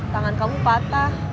tangan kamu patah